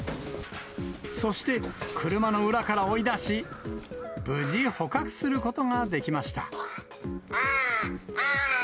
そして車の裏から追い出し、無事、捕獲することができました。